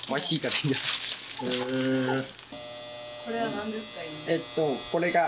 これはなんですか？